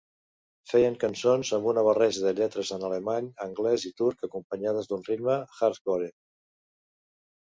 Feien cançons amb una barreja de lletres en alemany, anglès i turc acompanyades d'un ritme "hardcore".